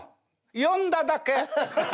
「呼んだだけ」。